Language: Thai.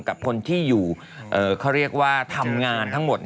กับคนที่อยู่เขาเรียกว่าทำงานทั้งหมด